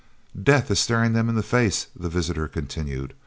"Death is staring them in the face," the visitor continued.